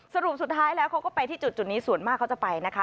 สรุปสุดท้ายแล้วเขาก็ไปที่จุดนี้ส่วนมากเขาจะไปนะคะ